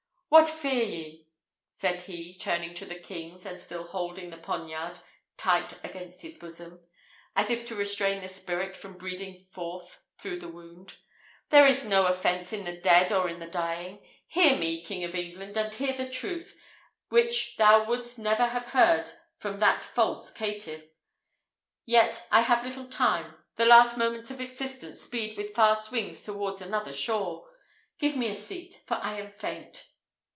"What fear ye?" said he, turning to the kings, and still holding the poniard tight against his bosom, as if to restrain the spirit from breathing forth through the wound. "There is no offence in the dead or in the dying. Hear me, King of England! and hear the truth, which thou wouldst never have heard from that false caitiff. Yet I have little time; the last moments of existence speed with fast wings towards another shore: give me a seat, for I am faint."